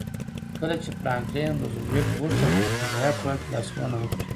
کله چې فرانکلین روزولټ غوښتل په قضایه قوه کې لاسوهنه وکړي.